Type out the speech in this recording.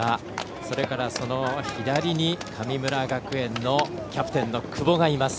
それから神村学園のキャプテンの久保がいます。